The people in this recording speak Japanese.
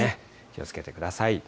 気をつけてください。